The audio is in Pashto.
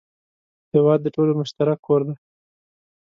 هېواد د ټولو مشترک کور دی.